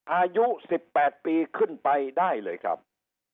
อายุ๑๘ปีขึ้นไปได้เลยครับ